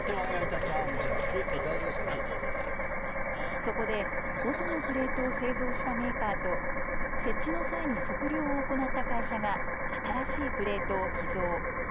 そこで元のプレートを製造したメーカーと設置の際に測量を行った会社が新しいプレートを寄贈。